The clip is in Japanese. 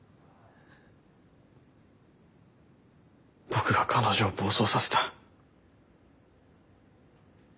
僕が彼女を暴走させた。